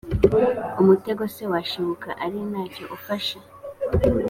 Umutego se washibuka ari nta cyo ufashe?